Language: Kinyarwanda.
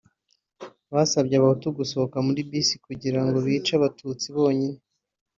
Basabye Abahutu gusohoka muri bisi kugira ngo bice Abatutsi bonyine